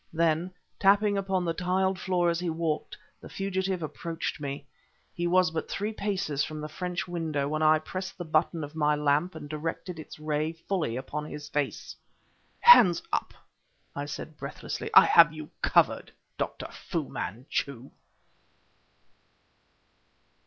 Then, tapping upon the tiled floor as he walked, the fugitive approached me. He was but three paces from the French window when I pressed the button of my lamp and directed its ray fully upon his face. "Hands up!" I said breathlessly. "I have you covered, Dr. Fu Manchu!"